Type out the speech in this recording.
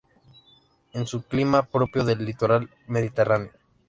Es un clima propio del litoral Mediterráneo.